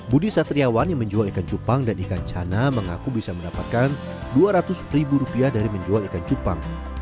budi satriawan yang menjual ikan cupang dan ikan cana mengaku bisa mendapatkan dua ratus ribu rupiah dari menjual ikan cupang